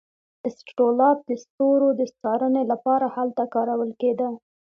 اسټرولاب د ستورو د څارنې لپاره هلته کارول کیده.